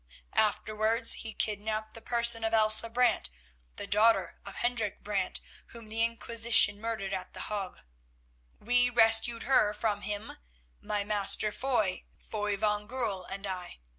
Afterwards he kidnapped the person of Elsa Brant, the daughter of Hendrik Brant, whom the Inquisition murdered at The Hague. We rescued her from him, my master, Foy van Goorl, and I.